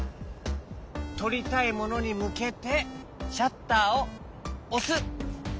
とりたいものにむけてシャッターをおす！